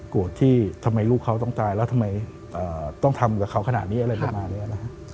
ที่ทำไมลูกเขาต้องตายแล้วทำไมต้องทำกับเขาขนาดนี้อะไรประมาณนี้นะฮะ